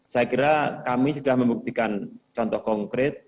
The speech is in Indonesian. saya kira kami sudah membuktikan contoh konkret